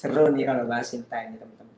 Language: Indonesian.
seru nih kalo bahas cinta ini temen temen